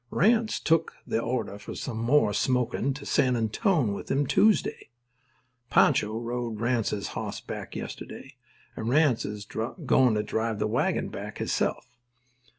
"Ranse took the order for some more smokin' to San Antone with him Tuesday. Pancho rode Ranse's hoss back yesterday; and Ranse is goin' to drive the wagon back himself.